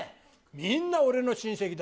みんな俺の親戚だ。